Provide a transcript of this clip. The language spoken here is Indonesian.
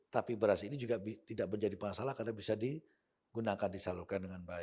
tapi beras ini juga tidak menjadi masalah karena bisa digunakan disalurkan dengan baik